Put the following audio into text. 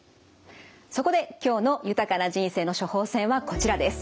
そこで今日の豊かな人生の処方せんはこちらです。